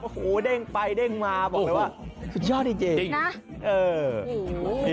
โอ้โหเด้งไปเด้งมาบอกเลยว่าสุดยอดจริงนะ